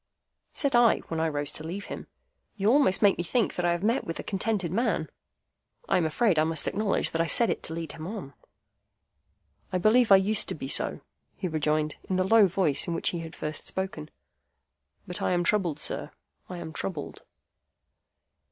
Said I, when I rose to leave him, "You almost make me think that I have met with a contented man." (I am afraid I must acknowledge that I said it to lead him on.) "I believe I used to be so," he rejoined, in the low voice in which he had first spoken; "but I am troubled, sir, I am troubled."